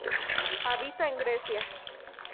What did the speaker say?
Habita en Grecia.